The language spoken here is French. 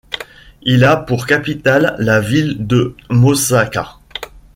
Il a pour capitale la ville de Mossaka.